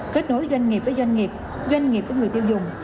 kết nối doanh nghiệp với doanh nghiệp doanh nghiệp với người tiêu dùng